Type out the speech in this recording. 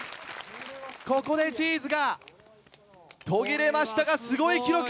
ここでチーズが途切れましたがすごい記録！